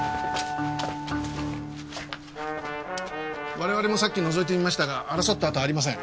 我々もさっき覗いてみましたが争った跡はありません。